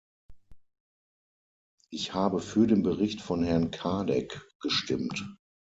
Ich habe für den Bericht von Herrn Cadec gestimmt.